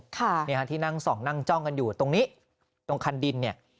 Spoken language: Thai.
ที่นั่งสองนั่งจ้องกันอยู่ตรงนี้ตรงคันดิน